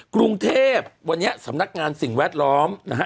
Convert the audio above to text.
กรุงเทพวันนี้สำนักงานสิ่งแวดล้อมนะฮะ